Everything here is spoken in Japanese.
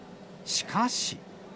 しかし。